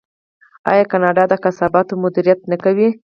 آیا کاناډا د کثافاتو مدیریت نه کوي؟